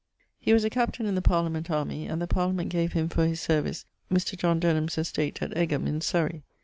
He was a captain in the Parliament army, and the Parliament gave him for his service Mr. John Denham's estate at Egham, in Surrey.